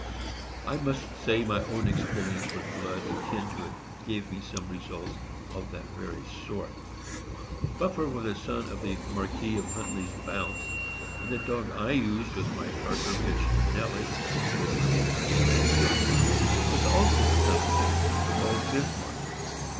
I must say my own experience with blood akin to it gave me some results of that very sort. Buffer was a son of the Marquis of Huntley's Bounce, and the dog I used with my Tartar bitch Nellie — spoken of already in this article — was also a son of his, called Bismarck.